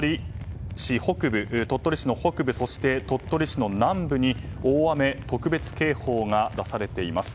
鳥取市北部そして鳥取市南部に大雨特別警報が出されています。